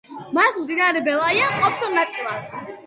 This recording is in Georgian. მას მდინარე ბელაია ყოფს ორ ნაწილად.